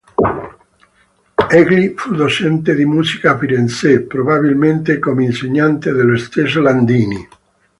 Egli fu docente di musica a Firenze, probabilmente come insegnante dello stesso Landini.